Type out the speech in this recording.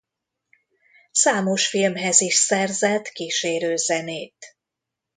Számos filmhez is szerzett kísérőzenét.